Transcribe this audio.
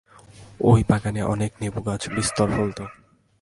ঐ বাগানে অনেক নেবুগাছ, বিস্তর ফলত।